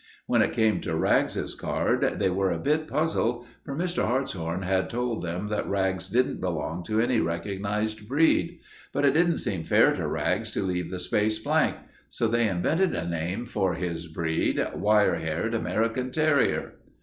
When it came to Rags's card, they were a bit puzzled, for Mr. Hartshorn had told them that Rags didn't belong to any recognized breed. But it didn't seem fair to Rags to leave the space blank, so they invented a name for his breed wire haired American terrier.